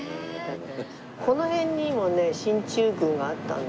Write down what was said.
この辺にもね進駐軍があったんだよね。